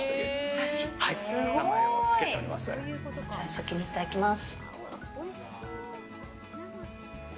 先にいただきます。